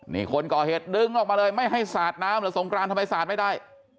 นี่คนก่อเหตุดึงออกมาเลยไม่ให้สาดน้ำเหรอสงกรานทำไมสาดไม่ได้